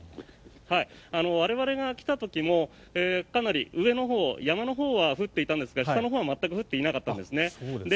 我々が来た時もかなり上のほう山のほうは降っていたんですが下のほうは全く降っていなかったんですね。